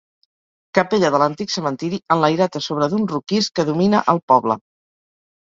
Capella de l'antic cementiri, enlairat a sobre d'un roquís que domina al poble.